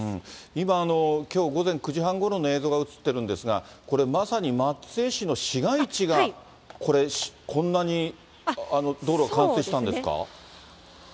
今、きょう午前９時半ごろの映像が映ってるんですが、これまさに松江市の市街地が、これ、こんなに道路が冠水したんですか？